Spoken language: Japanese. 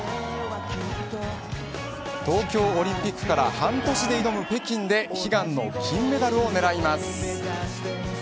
東京オリンピックから半年で挑む北京で悲願の金メダルを狙います。